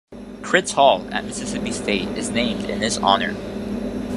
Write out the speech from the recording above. Critz Hall at Mississippi State is named in his honor.